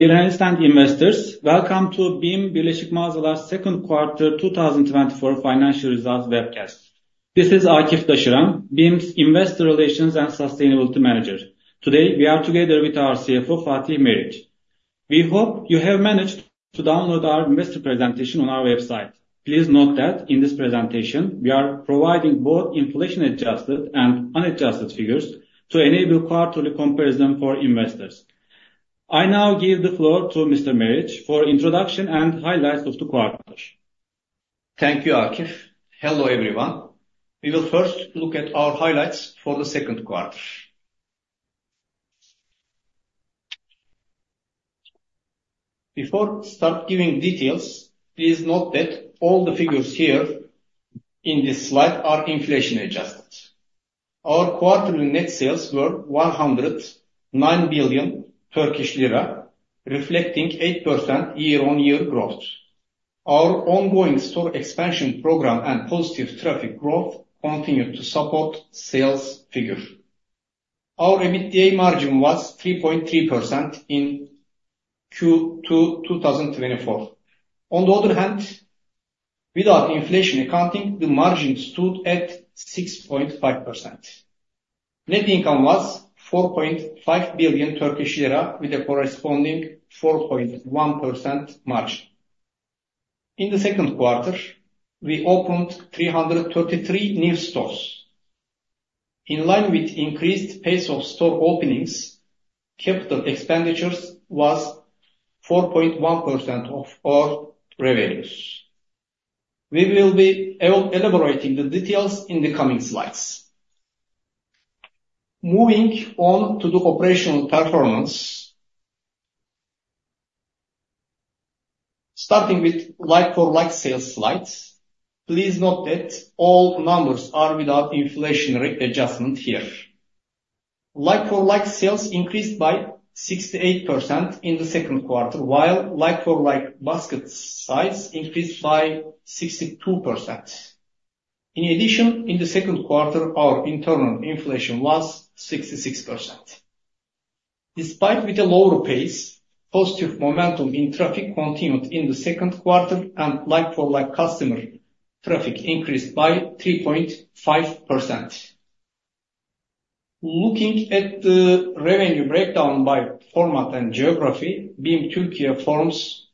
Dear analysts and investors, welcome to BİM Birleşik Mağazalar second quarter 2024 financial results webcast. This is Akif Daşıran, BİM's Investor Relations and Sustainability Manager. Today, we are together with our CFO, Fatih Meriç. We hope you have managed to download our investor presentation on our website. Please note that in this presentation, we are providing both inflation-adjusted and unadjusted figures to enable quarterly comparison for investors. I now give the floor to Mr. Meriç for introduction and highlights of the quarter. Thank you, Akif. Hello, everyone. We will first look at our highlights for the second quarter. Before start giving details, please note that all the figures here in this slide are inflation-adjusted. Our quarterly net sales were 109 billion Turkish lira , reflecting 8% year-on-year growth. Our ongoing store expansion program and positive traffic growth continued to support sales figure. Our EBITDA margin was 3.3% in Q2 2024. On the other hand, without inflation accounting, the margin stood at 6.5%. Net income was 4.5 billion Turkish lira, with a corresponding 4.1% margin. In the second quarter, we opened 333 new stores. In line with increased pace of store openings, capital expenditures was 4.1% of our revenues. We will be elaborating the details in the coming slides. Moving on to the operational performance, starting with like-for-like sales slides, please note that all numbers are without inflationary adjustment here. Like-for-like sales increased by 68% in the second quarter, while like-for-like basket size increased by 62%. In addition, in the second quarter, our internal inflation was 66%. Despite with a lower pace, positive momentum in traffic continued in the second quarter, and like-for-like customer traffic increased by 3.5%. Looking at the revenue breakdown by format and geography, BİM Turkey forms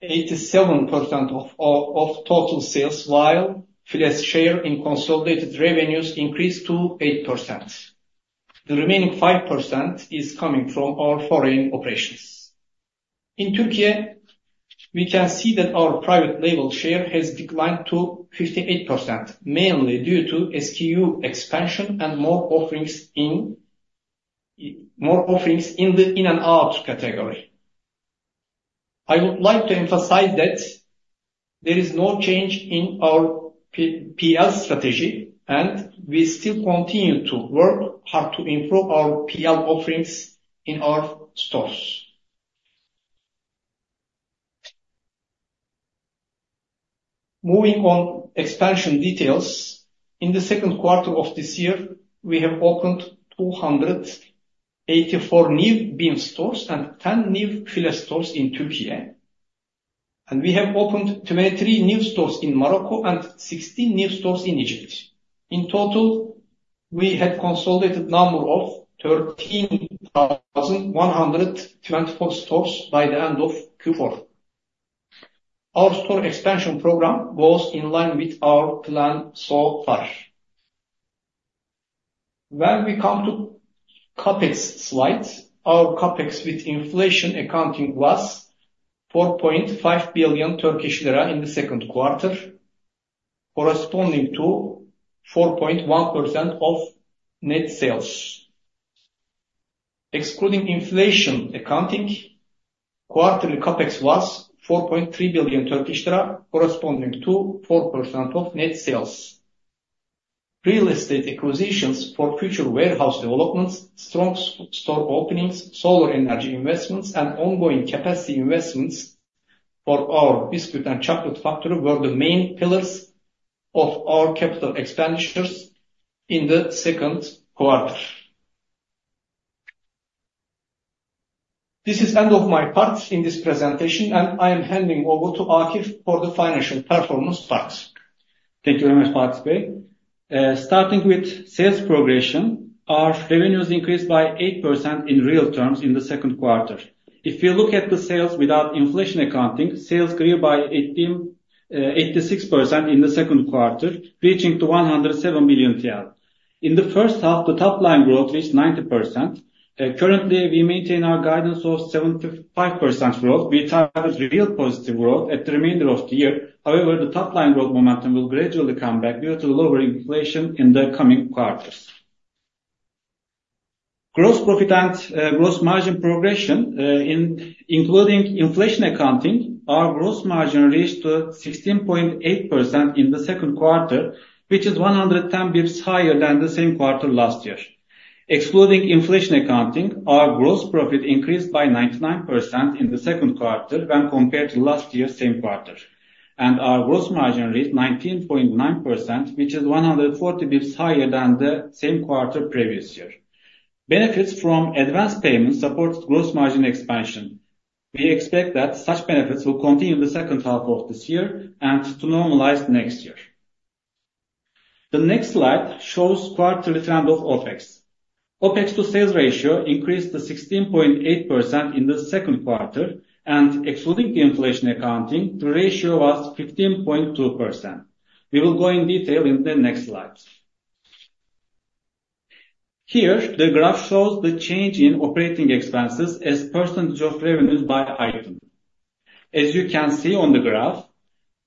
87% of total sales, while FİLE share in consolidated revenues increased to 8%. The remaining 5% is coming from our foreign operations. In Turkey, we can see that our private label share has declined to 58%, mainly due to SKU expansion and more offerings in the in-and-out category. I would like to emphasize that there is no change in our PL strategy, and we still continue to work hard to improve our PL offerings in our stores. Moving on, expansion details. In the second quarter of this year, we have opened 284 new BİM stores and 10 new FİLE stores in Turkey, and we have opened 23 new stores in Morocco and 16 new stores in Egypt. In total, we had consolidated number of 13,124 stores by the end of Q4. Our store expansion program was in line with our plan so far. When we come to CapEx slides, our CapEx with inflation accounting was 4.5 billion Turkish lira in the second quarter, corresponding to 4.1% of net sales. Excluding inflation accounting, quarterly CapEx was 4.3 billion Turkish lira, corresponding to 4% of net sales. Real estate acquisitions for future warehouse developments, strong store openings, solar energy investments, and ongoing capacity investments for our biscuit and chocolate factory were the main pillars of our capital expenditures in the second quarter. This is end of my part in this presentation, and I am handing over to Akif for the financial performance part. Thank you very much, Fatih Bey. Starting with sales progression, our revenues increased by 8% in real terms in the second quarter. If you look at the sales without inflation accounting, sales grew by 88.6% in the second quarter, reaching to 107 billion TL. In the first half, the top line growth reached 90%. Currently, we maintain our guidance of 75% growth. We target real positive growth at the remainder of the year. However, the top line growth momentum will gradually come back due to the lower inflation in the coming quarters. Gross profit and gross margin progression, including inflation accounting, our gross margin reached to 16.8% in the second quarter, which is 110 basis points higher than the same quarter last year. Excluding inflation accounting, our gross profit increased by 99% in the second quarter when compared to last year's same quarter, and our gross margin rate 19.9%, which is one hundred and forty basis points higher than the same quarter previous year. Benefits from advance payments supported gross margin expansion. We expect that such benefits will continue in the second half of this year and to normalize next year. The next slide shows quarterly trend of OpEx. OpEx to sales ratio increased to 16.8% in the second quarter, and excluding inflation accounting, the ratio was 15.2%. We will go in detail in the next slide. Here, the graph shows the change in operating expenses as percentage of revenues by item. As you can see on the graph,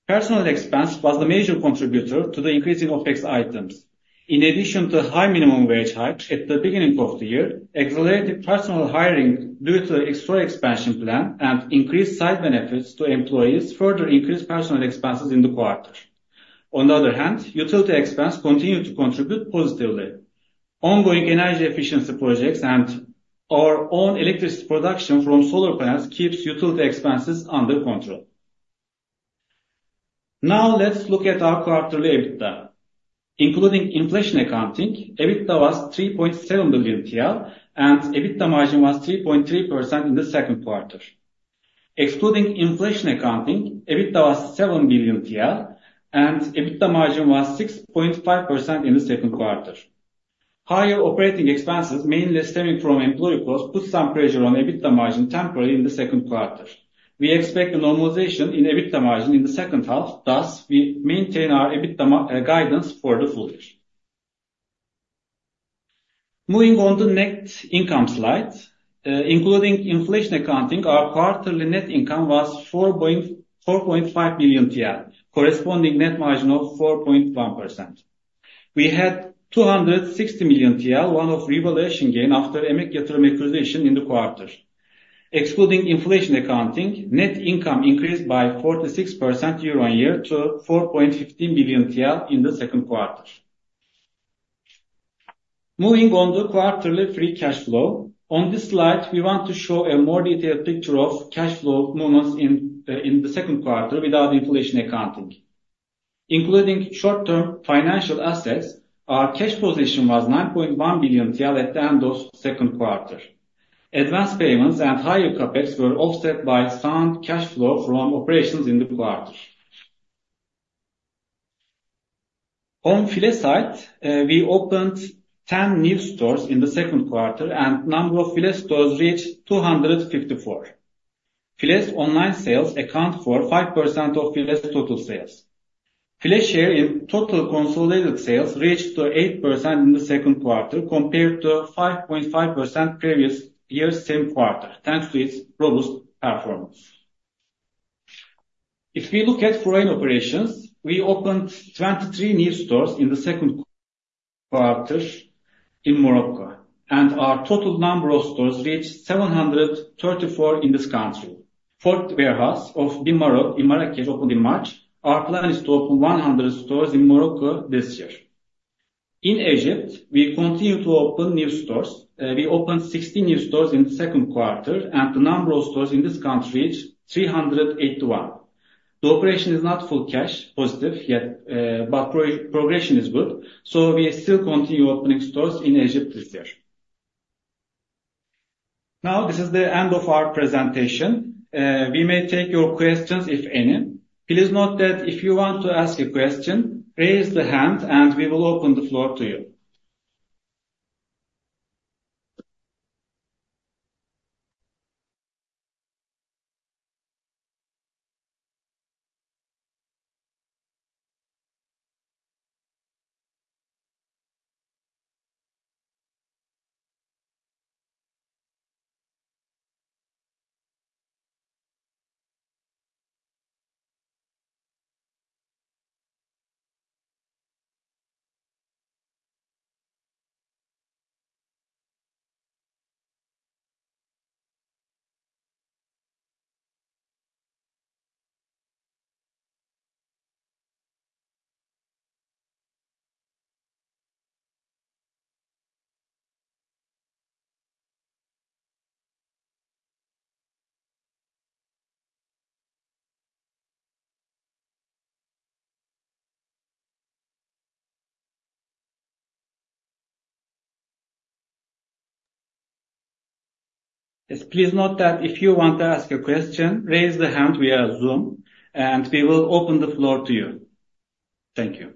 personnel expense was the major contributor to the increase in OpEx items. In addition to high minimum wage hike at the beginning of the year, accelerated personnel hiring due to extra expansion plan and increased side benefits to employees, further increased personnel expenses in the quarter. On the other hand, utility expense continued to contribute positively. Ongoing energy efficiency projects and our own electricity production from solar panels keeps utility expenses under control. Now, let's look at our quarterly EBITDA. Including inflation accounting, EBITDA was 3.7 billion TL, and EBITDA margin was 3.3% in the second quarter. Excluding inflation accounting, EBITDA was 7 billion TL, and EBITDA margin was 6.5% in the second quarter. Higher operating expenses, mainly stemming from employee costs, put some pressure on EBITDA margin temporarily in the second quarter. We expect a normalization in EBITDA margin in the second half, thus, we maintain our EBITDA guidance for the full year. Moving on to net income slide. Including inflation accounting, our quarterly net income was 4.5 billion TL, corresponding net margin of 4.1%. We had 260 million TL of revaluation gain after Emek İnşaat acquisition in the quarter. Excluding inflation accounting, net income increased by 46% year-on-year to 4.15 billion TL in the second quarter. Moving on to quarterly free cash flow. On this slide, we want to show a more detailed picture of cash flow movements in the second quarter without inflation accounting. Including short-term financial assets, our cash position was 9.1 billion TL at the end of second quarter. Advanced payments and higher CapEx were offset by sound cash flow from operations in the quarter. On FİLE side, we opened 10 new stores in the second quarter, and number of FİLE stores reached 254. FİLE's online sales account for 5% of FİLE's total sales. FİLE share in total consolidated sales reached to 8% in the second quarter, compared to 5.5% previous year, same quarter, thanks to its robust performance. If we look at foreign operations, we opened 23 new stores in the second quarter in Morocco, and our total number of stores reached 734 in this country. Fourth warehouse of BİM Morocco in Marrakech opened in March. Our plan is to open 100 stores in Morocco this year. In Egypt, we continue to open new stores. We opened 16 new stores in the second quarter, and the number of stores in this country is 381. The operation is not fully cash positive yet, but progression is good, so we still continue opening stores in Egypt this year. Now, this is the end of our presentation. We may take your questions, if any. Please note that if you want to ask a question, raise the hand and we will open the floor to you. Yes, please note that if you want to ask a question, raise the hand via Zoom, and we will open the floor to you. Thank you.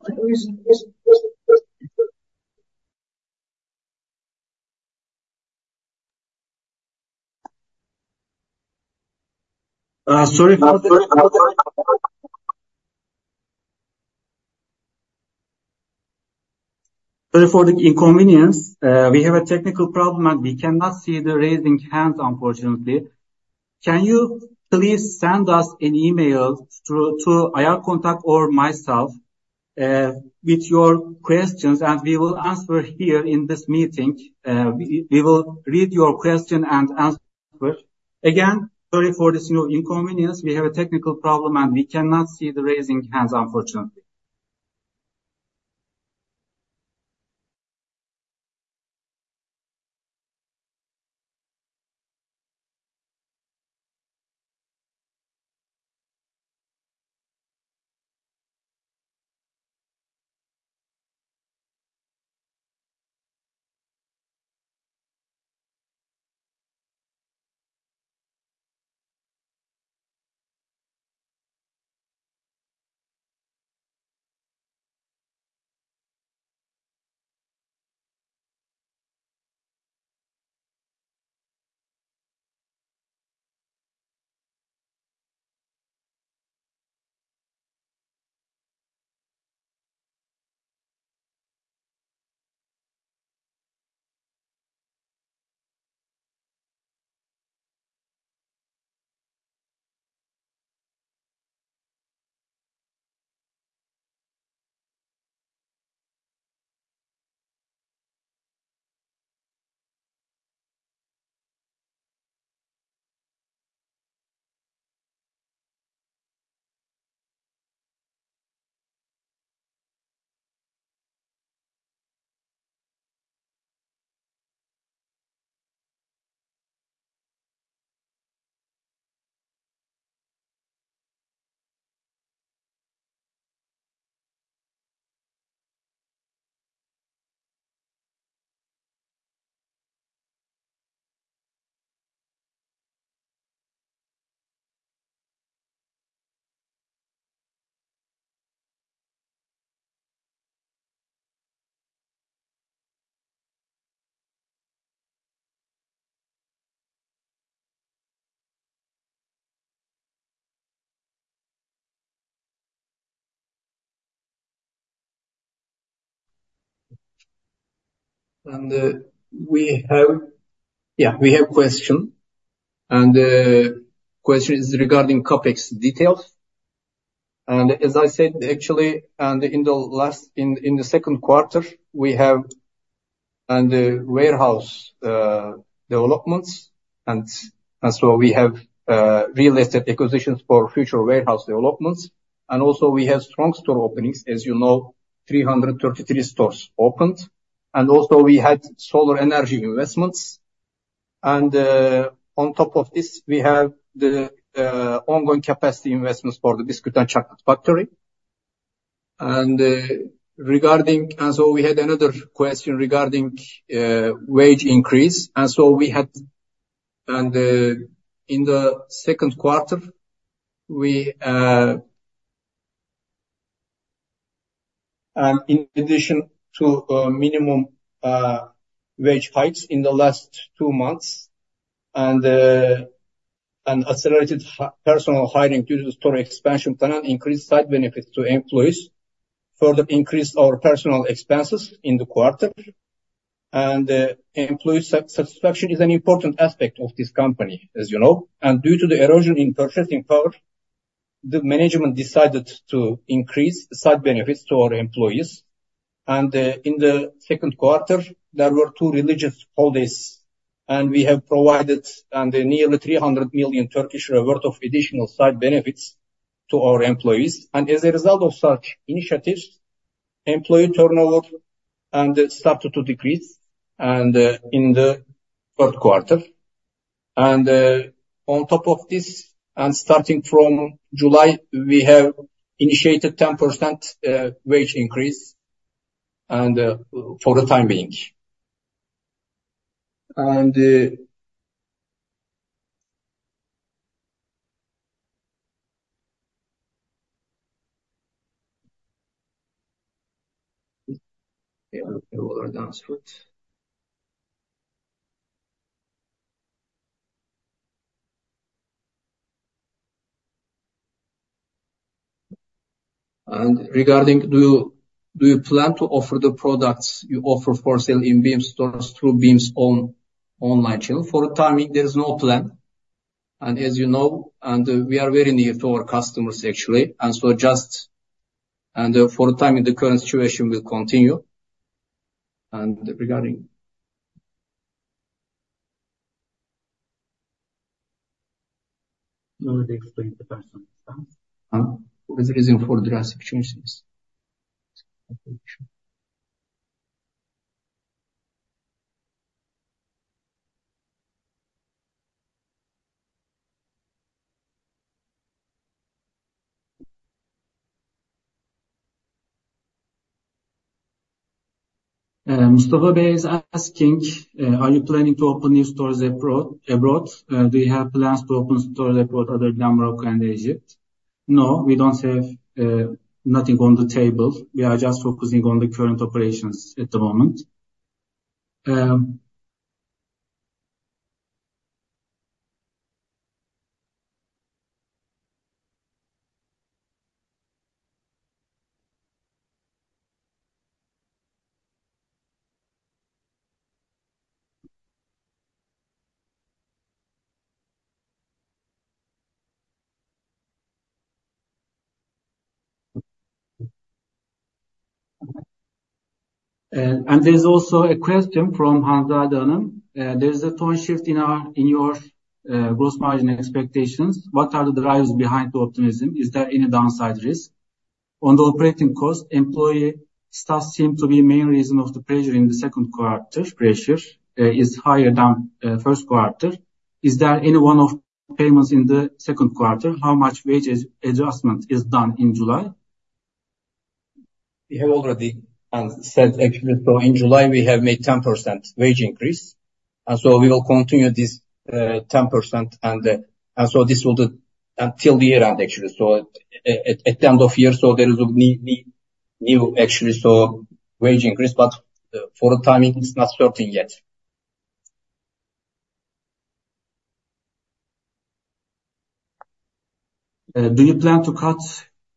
Sorry for the inconvenience. We have a technical problem, and we cannot see the raising hand, unfortunately. Can you please send us an email through IR contact or myself with your questions, and we will answer here in this meeting. We will read your question and answer. Again, sorry for this, you know, inconvenience. We have a technical problem, and we cannot see the raising hands, unfortunately. And we have a question, and the question is regarding CapEx details. And as I said, actually, in the last, in the second quarter, we have the warehouse developments, and so we have real estate acquisitions for future warehouse developments. And also we have strong store openings, as you know, three hundred and thirty-three stores opened. And also we had solar energy investments. On top of this, we have the ongoing capacity investments for the biscuit and chocolate factory. We had another question regarding wage increase. In the second quarter, in addition to minimum wage hikes in the last two months, and accelerated personnel hiring due to store expansion plan increased side benefits to employees, further increased our personnel expenses in the quarter. Employee satisfaction is an important aspect of this company, as you know, and due to the erosion in purchasing power, the management decided to increase the side benefits to our employees. In the second quarter, there were two religious holidays, and we have provided nearly 300 million worth of additional side benefits to our employees. And as a result of such initiatives, employee turnover started to decrease, and in the third quarter. And on top of this, and starting from July, we have initiated 10% wage increase, and for the time being. And yeah, we will answer it. And regarding, do you plan to offer the products you offer for sale in BİM stores through BİM's own online channel? For the time being, there is no plan. And as you know, and we are very near to our customers, actually, and so for the time in the current situation, we'll continue. And regarding? You already explained the personnel stance. What is the reason for the drastic changes? Mustafa Bey is asking, "Are you planning to open new stores abroad, abroad? Do you have plans to open stores abroad, other than Morocco and Egypt? No, we don't have nothing on the table. We are just focusing on the current operations at the moment. And there's also a question from Hanzade Hanım. "There's a tone shift in our, in your, gross margin expectations. What are the drivers behind the optimism? Is there any downside risk? On the operating cost, employee staff seem to be main reason of the pressure in the second quarter, pressure, is higher than first quarter. Is there any one-off payments in the second quarter? How much wages adjustment is done in July? We have already said, actually. So in July, we have made 10% wage increase, and so we will continue this 10%. And so this will do until the year end, actually. So at the end of year, so there is a new actually, so wage increase, but for the time being, it's not certain yet. Do you plan to cut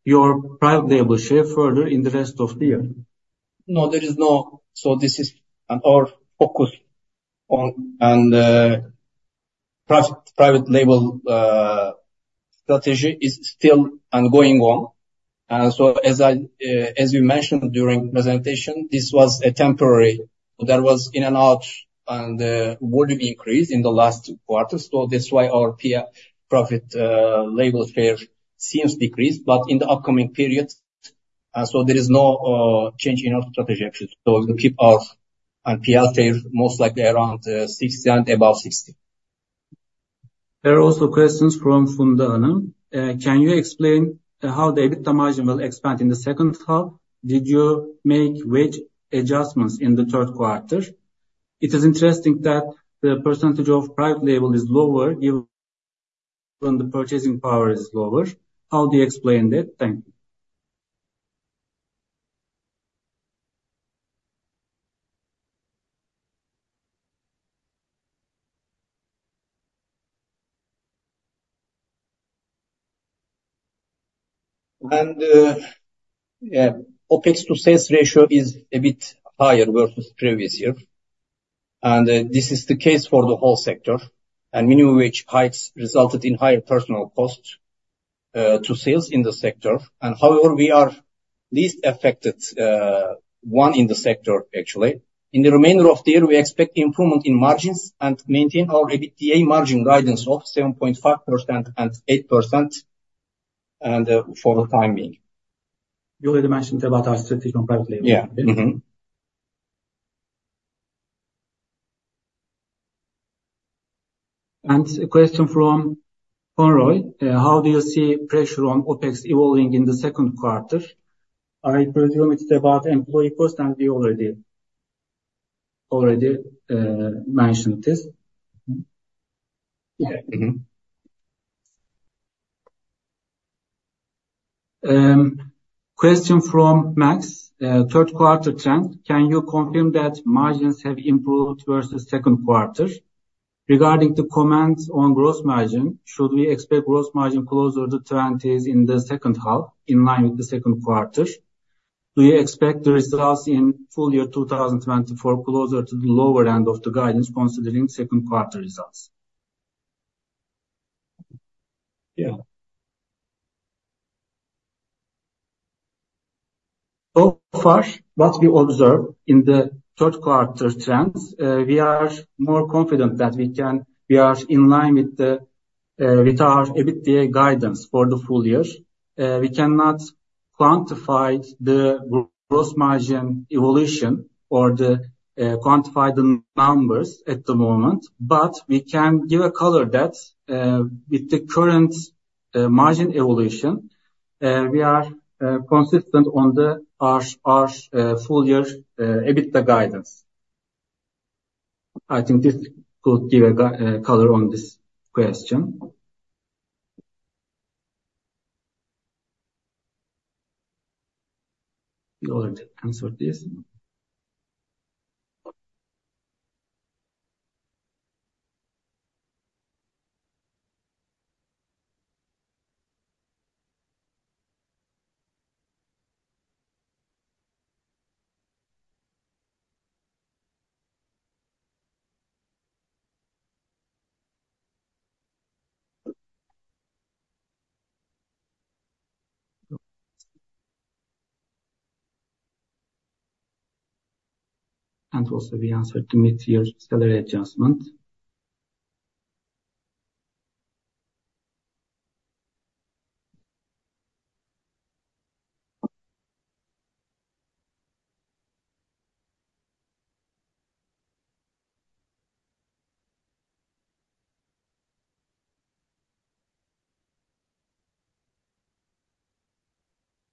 your private label share further in the rest of the year? No, there is no. So this is our focus on, and private label strategy is still ongoing. So as you mentioned during presentation, this was a temporary. There was in and out, and would increase in the last quarter. So that's why our PL private label share seems decreased, but in the upcoming period, so there is no change in our strategy actually. So we'll keep our PL share most likely around 60 and above 60. There are also questions from Funda Hanım. Can you explain how the EBITDA margin will expand in the second half? Did you make wage adjustments in the third quarter? It is interesting that the percentage of private label is lower, given when the purchasing power is lower. How do you explain that? Thank you. Yeah, OpEx to sales ratio is a bit higher versus previous year. This is the case for the whole sector, and minimum wage hikes resulted in higher personnel costs to sales in the sector. However, we are-... least affected, one in the sector, actually. In the remainder of the year, we expect improvement in margins and maintain our EBITDA margin guidance of 7.5% and 8%, and, for the time being. You already mentioned about our strategy on private label. Yeah. Mm-hmm. And a question from Koray: how do you see pressure on OpEx evolving in the second quarter? I presume it's about employee cost, and we already mentioned this. Yeah. Mm-hmm. Question from Max: third quarter trend, can you confirm that margins have improved versus second quarter? Regarding the comments on gross margin, should we expect gross margin closer to 2020 in the second half, in line with the second quarter? Do you expect the results in full year 2024, closer to the lower end of the guidance, considering second quarter results? Yeah. So far, what we observe in the third quarter trends, we are more confident that we can, we are in line with our EBITDA guidance for the full year. We cannot quantify the gross margin evolution or quantify the numbers at the moment, but we can give a color that, with the current margin evolution, we are consistent on our full year EBITDA guidance. I think this could give a color on this question. We already answered this. And also, we answered the mid-year salary adjustment.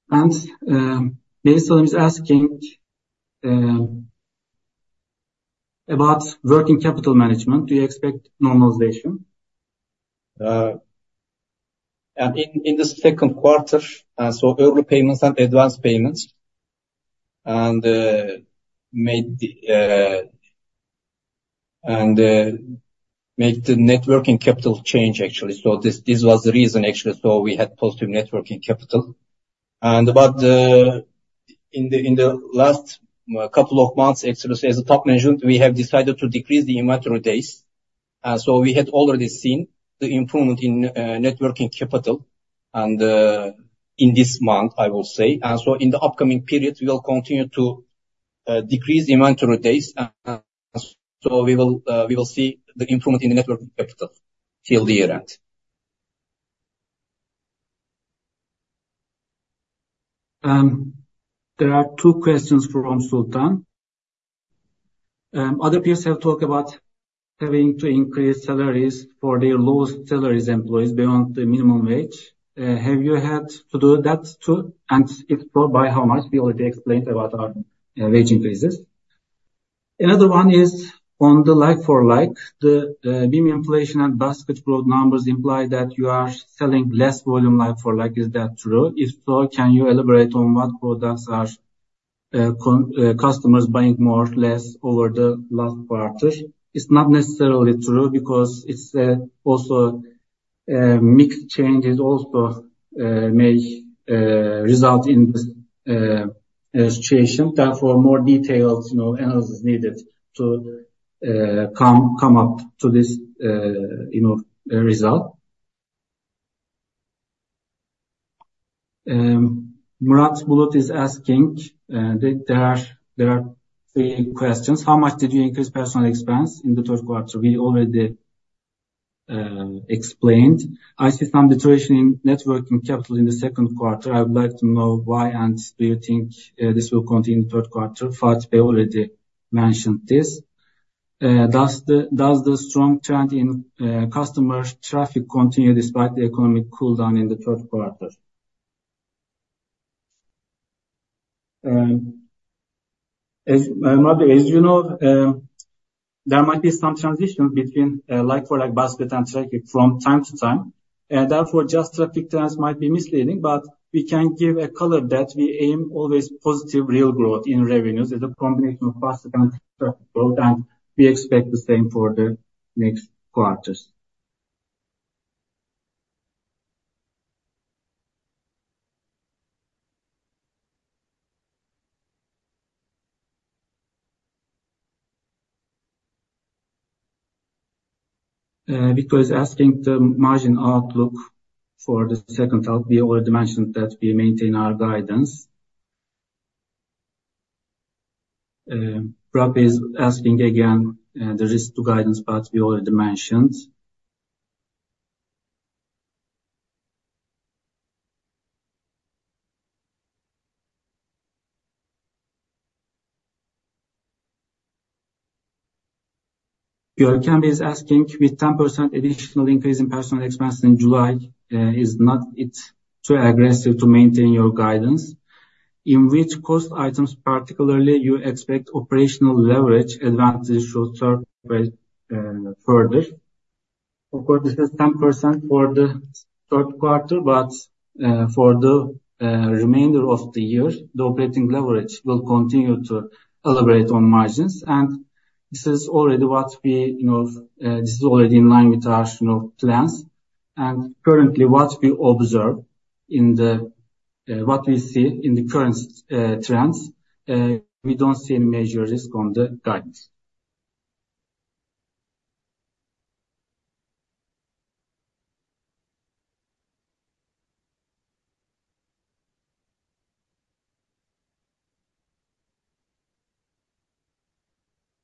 And Jason is asking about working capital management. Do you expect normalization? And in the second quarter, so early payments and advanced payments made the net working capital change, actually. This was the reason, actually, so we had positive net working capital. But in the last couple of months, actually, as the top management, we have decided to decrease the inventory days. So we had already seen the improvement in net working capital, and in this month, I will say. So in the upcoming period, we will continue to decrease the inventory days, and so we will see the improvement in the net working capital till the year end. There are two questions from Sultan. Other peers have talked about having to increase salaries for their lowest salaries employees beyond the minimum wage. Have you had to do that, too? And if so, by how much? We already explained about our wage increases. Another one is on the like for like, the BIM inflation and basket growth numbers imply that you are selling less volume like for like. Is that true? If so, can you elaborate on what products are customers buying more, less over the last quarter? It's not necessarily true, because it's also mix changes also may result in this situation. Therefore, more details, you know, analysis is needed to come up to this, you know, result. Murat Bulut is asking, there are three questions. How much did you increase personnel expense in the third quarter? We already explained. I see some deterioration in net working capital in the second quarter. I would like to know why, and do you think this will continue in the third quarter? Fatih already mentioned this. Does the strong trend in customer traffic continue despite the economic cool down in the third quarter? As Murat, as you know, there might be some transition between like for like basket and traffic from time to time, and therefore, just traffic trends might be misleading. But we can give a color that we aim always positive real growth in revenues is a combination of basket and traffic growth, and we expect the same for the next quarters. Berna asking the margin outlook for the second half, we already mentioned that we maintain our guidance. Rob is asking again, there is two guidance, but we already mentioned. Cemal Bey is asking: With 10% additional increase in personnel expenses in July, is not it too aggressive to maintain your guidance? In which cost items particularly you expect operational leverage advantages should start further. Of course, this is 10% for the third quarter, but for the remainder of the year, the operating leverage will continue to elevate on margins. And this is already what we, you know, this is already in line with our, you know, plans. And currently, what we see in the current trends, we don't see any major risk on the guidance.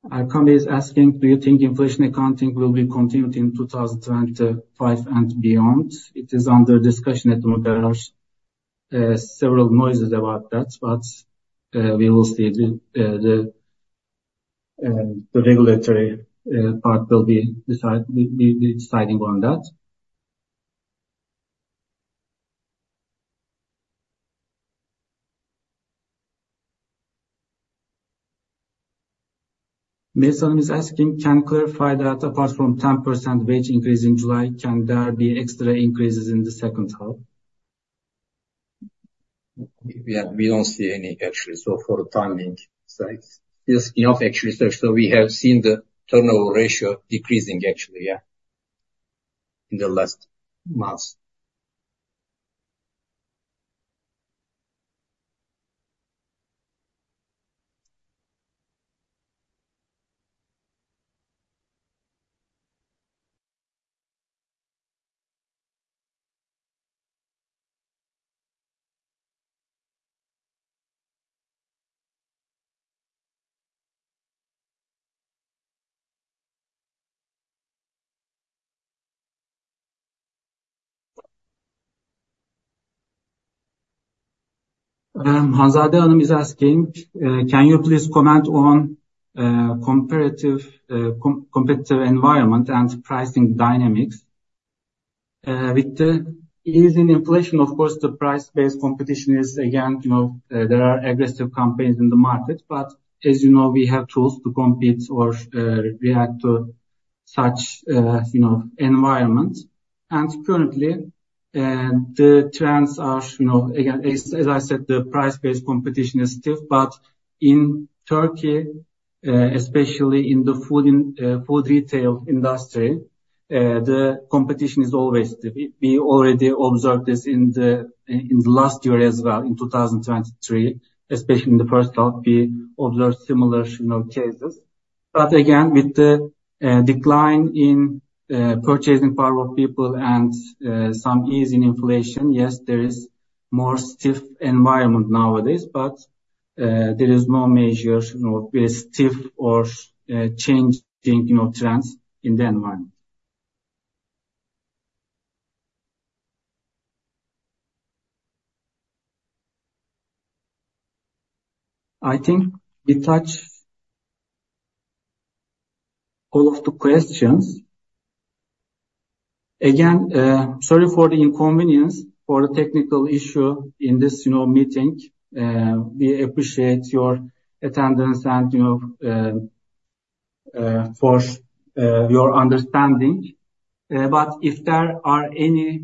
Akif is asking: Do you think inflation accounting will be continued in 2025 and beyond? It is under discussion that there are several noises about that, but we will see the regulatory part will be deciding on that. Melis is asking: Can clarify that apart from 10% wage increase in July, can there be extra increases in the second half? We don't see any actually, so for the timing, so it's enough actually. So we have seen the turnover ratio decreasing actually, yeah, in the last months. Hanzade Hanım is asking, "Can you please comment on comparative competitive environment and pricing dynamics?" With the ease in inflation, of course, the price-based competition is again, you know, there are aggressive companies in the market, but as you know, we have tools to compete or react to such, you know, environment. Currently, the trends are, you know, again, as I said, the price-based competition is stiff, but in Turkey, especially in the food and food retail industry, the competition is always stiff. We already observed this in the last year as well, in 2023, especially in the first half. We observed similar, you know, cases. But again, with the decline in purchasing power of people and some ease in inflation, yes, there is more stiff environment nowadays, but there is no major, you know, big shift or changing, you know, trends in the environment. I think we touched all of the questions. Again, sorry for the inconvenience, for the technical issue in this, you know, meeting. We appreciate your attendance and your understanding. But if there are any-